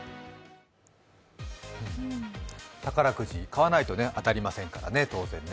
宝くじ、買わないと当たりませんからね、当然ね。